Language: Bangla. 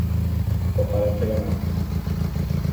কপালে ফেলো না।